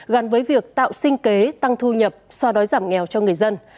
gắn với việc tạo sinh kế tăng thu nhập so đói giảm nghèo cho người dân